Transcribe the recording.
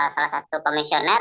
salah satu komisioner